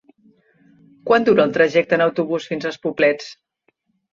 Quant dura el trajecte en autobús fins als Poblets?